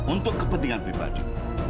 untuk kepentingan pribadi